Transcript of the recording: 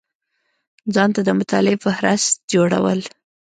ځان ته د مطالعې فهرست جوړول